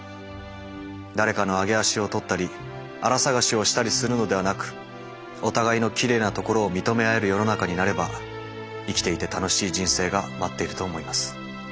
誰かの揚げ足を取ったりあら探しをしたりするのではなくお互いのきれいなところを認め合える世の中になれば生きていて楽しい人生が待っていると思います。